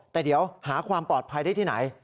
แต่เดี๋ยวหาความปลอดภัยได้ที่ไหน